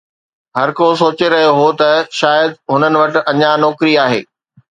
هر ڪو سوچي رهيو هو ته شايد هنن وٽ اڃا نوڪري آهي